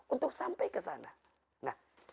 untuk sampai ke sana nah